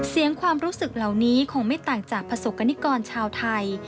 ความรู้สึกเหล่านี้คงไม่ต่างจากประสบกรณิกรชาวไทย